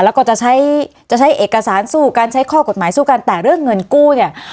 แล้วก็จะใช้จะใช้เอกสารสู้การใช้ข้อกฎหมายสู้กันแต่เรื่องเงินกู้เนี่ย